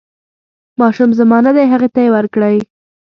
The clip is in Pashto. ماشوم زما نه دی هغې ته یې ورکړئ.